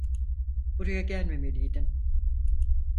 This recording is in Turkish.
Buraya gelmemeliydin.